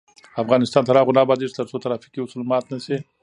افغانستان تر هغو نه ابادیږي، ترڅو ترافیکي اصول مات نشي.